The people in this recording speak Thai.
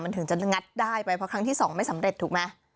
มันถึงจะงัดได้ไปเพราะครั้งที่สองไม่สำเร็จถูกไหม